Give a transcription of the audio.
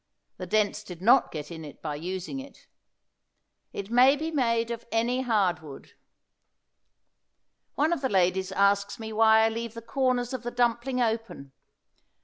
The dents did not get in it by using it. It may be made of any hard wood. One of the ladies asks me why I leave the corners of the dumpling open.